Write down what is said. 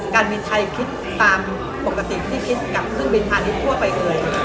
การมีไทยคิดตามปกติที่คิดกับเครื่องบินธานิดทั่วไปเกิน